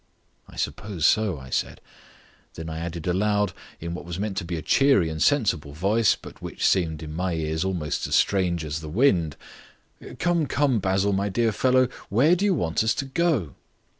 "I suppose so," I said. Then I added aloud, in what was meant to be a cheery and sensible voice, but which sounded in my ears almost as strange as the wind: "Come, come, Basil, my dear fellow. Where do you want us to go?"